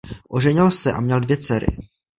Oženil se a měl dvě dcery.